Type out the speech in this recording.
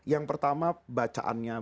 yang pertama bacaannya